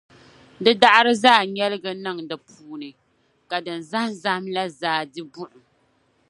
di daɣiri zaa nyɛligi niŋ di puuni, ka din zahimzahim la zaa di buɣim.